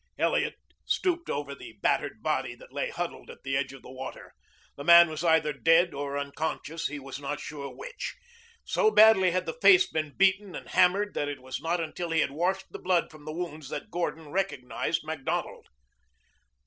Elliot stooped over the battered body that lay huddled at the edge of the water. The man was either dead or unconscious, he was not sure which. So badly had the face been beaten and hammered that it was not until he had washed the blood from the wounds that Gordon recognized Macdonald.